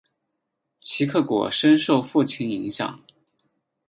齐克果深受父亲影响。